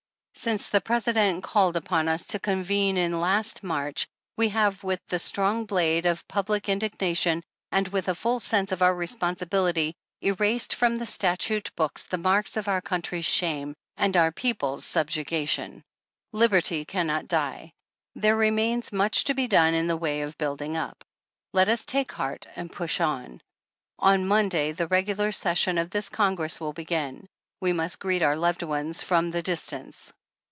Since the President called upon us to convene in last March, we have with the strong blade of public in dignation, and with a full sense of our responsibility, erased from the statute books the marks of our coun try's shame and our people's subjugation. Liberty can not die. There remains much to be done in the way of building up. Let us take heart and push on. On Monday, the regular session of this Congress will begin. We must greet our loved ones from the dis tance.